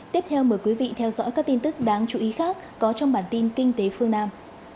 tiếp theo mời quý vị theo dõi các tin tức đáng chú ý khác có trong bản tin kinh tế phương nam